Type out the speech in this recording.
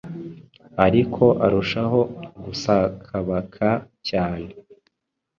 ariko arushaho gusakabaka cyane